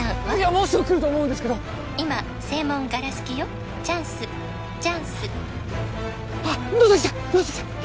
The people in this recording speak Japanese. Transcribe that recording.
もうすぐ来ると思うんですけど「今正門ガラすきよチャンスチャンス」あっ野崎さん野崎さん